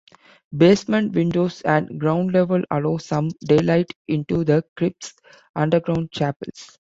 Basement windows at ground level allow some daylight into the crypt's underground chapels.